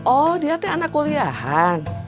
oh dia tuh anak kuliahan